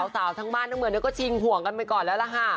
สาวทั้งบ้านทั้งเมืองก็ชิงห่วงกันไปก่อนแล้วล่ะค่ะ